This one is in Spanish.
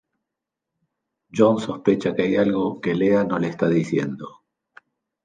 John sospecha que hay algo que Lea no le está diciendo.